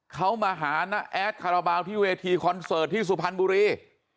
เขามาหาน้าแอดคาราบาลที่เวทีคอนเสิร์ตที่สุพรรณบุรี